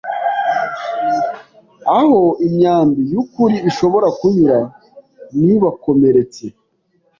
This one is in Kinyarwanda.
aho imyambi y’ukuri ishobora kunyura ntibakomeretse